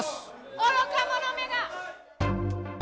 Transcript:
愚か者めが！